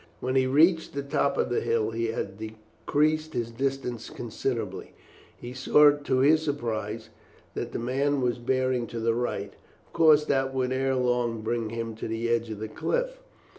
When he reached the top of the hill he had decreased his distance considerably. He saw to his surprise that the man was bearing to the right, a course that would ere long bring him to the edge of the cliff.